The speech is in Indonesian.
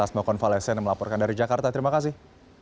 pak tasmo konvalesen melaporkan dari jakarta terima kasih